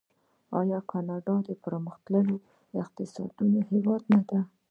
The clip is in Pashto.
آیا کاناډا یو پرمختللی اقتصادي هیواد نه دی؟